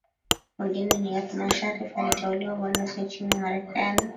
Wengine ni Othman Sharrif aliteuliwa Balozi nchini Marekani